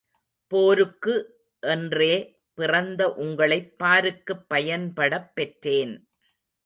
போருக்கு என்றே பிறந்த உங்களைப் பாருக்குப் பயன்படப் பெற்றேன்.